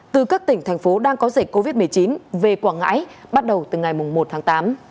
từ các tỉnh thành phố đang có dịch covid một mươi chín về quảng ngãi bắt đầu từ ngày một tháng tám